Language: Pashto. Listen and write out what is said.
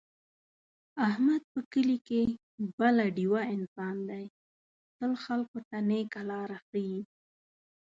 احمد په کلي کې بله ډېوه انسان دی، تل خلکو ته نېکه لاره ښي.